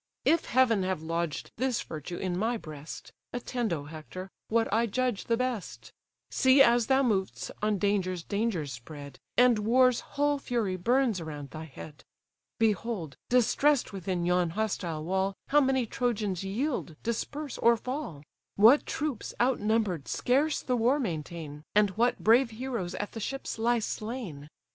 If Heaven have lodged this virtue in my breast, Attend, O Hector! what I judge the best, See, as thou mov'st, on dangers dangers spread, And war's whole fury burns around thy head. Behold! distress'd within yon hostile wall, How many Trojans yield, disperse, or fall! What troops, out number'd, scarce the war maintain! And what brave heroes at the ships lie slain!